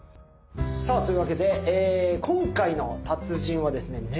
さあというわけで今回の達人はですね